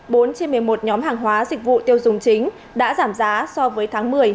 bốn trên một mươi một nhóm hàng hóa dịch vụ tiêu dùng chính đã giảm giá so với tháng một mươi